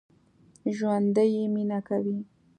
ژوندي مېنه کوي